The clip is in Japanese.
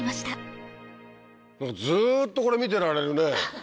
ずっとこれ見てられるね。